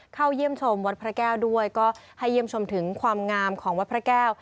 เข้าเยี่ยมชมวัดพระแก้วด้วยก็ให้เยี่ยมชมถึงความงามของวัดพระแก้ว